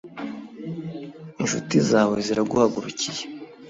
incuti zawe ziraguhagurukiye!